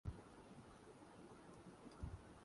تصرفی بِلوں میں غیرآئینی شقوں کو لائے گا